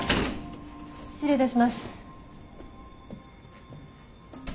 失礼いたします。